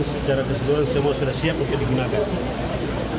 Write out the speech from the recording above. secara keseluruhan semua sudah siap untuk digunakan